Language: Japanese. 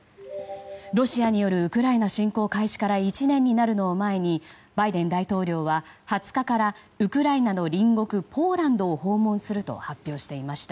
ロシアによるウクライナ侵攻開始から１年になるのを前にバイデン大統領は２０日からウクライナの隣国ポーランドを訪問すると発表していました。